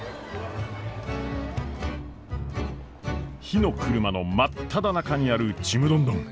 火の車の真っただ中にあるちむどんどん。